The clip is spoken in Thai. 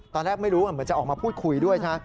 ตอนแรกไม่รู้เหมือนจะออกมาพูดคุยด้วยนะ